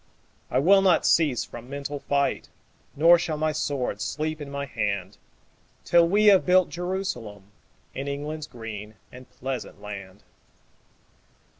I will not cease from mental fight, Nor shall my sword sleep in my hand Till we have built Jerusalem In England's green and pleasant land.